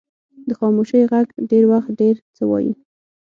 د خاموشۍ ږغ ډېر وخت ډیر څه وایي.